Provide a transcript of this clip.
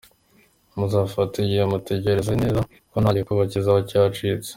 Muzafate igihe mutekereze neza kuko nta gikuba kizaba cyacitse.